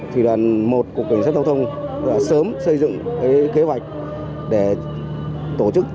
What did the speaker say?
thủy đoàn một của cảnh sát thông thông đã sớm xây dựng kế hoạch để tổ chức